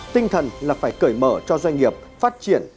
tinh thần là phải cởi mở cho doanh nghiệp phát triển